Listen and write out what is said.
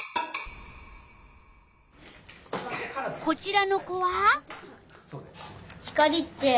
こちらの子は？